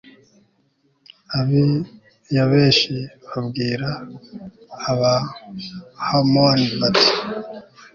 ab'i yabeshi babwira abahamoni, bati